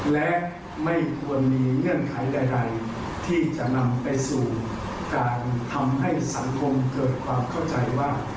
และไม่ควรมีเงื่อนไขใดที่จะนำไปสู่การทำให้สังคมเกิดความเข้าใจว่า